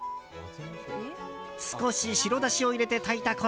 少し白だしを入れて炊いた米。